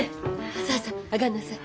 さあさあ上がんなさい。